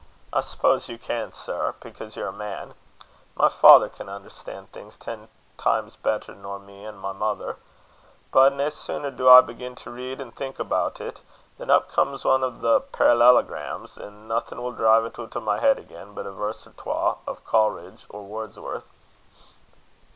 "I suppose you can, sir, because ye're a man. My father can understan' things ten times better nor me an' my mother. But nae sooner do I begin to read and think about it, than up comes ane o' thae parallelograms, an' nothing will driv't oot o' my head again, but a verse or twa o' Coleridge or Wordsworth."